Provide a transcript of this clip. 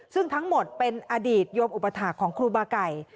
ซึ่งทั้งหมดเป็นอดีตโยมอุปถาคของครูบาไก่